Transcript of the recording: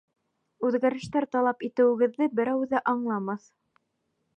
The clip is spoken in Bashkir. Үҙгәрештәр талап итеүегеҙҙе берәү ҙә аңламаҫ.